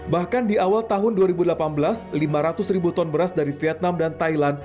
bahkan di awal tahun dua ribu delapan belas lima ratus ribu ton beras dari vietnam dan thailand